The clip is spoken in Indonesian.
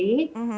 pada saat itu